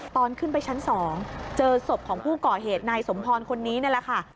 ตอนขึ้นไปชั้น๒เจอศพของผู้ก่อเหตุนายสมพรคนนี้นี่แหละค่ะ